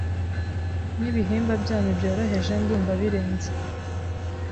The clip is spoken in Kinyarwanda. Nkibihimba byanyu byoroheje ndumva birenze